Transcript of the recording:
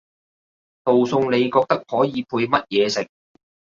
道餸你覺得可以配乜嘢食？